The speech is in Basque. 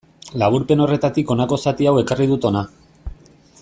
Laburpen horretatik honako zati hau ekarri dut hona.